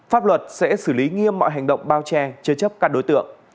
pháp luật sẽ xử lý nghiêm mọi hành động bao trang chơi chấp các đối tượng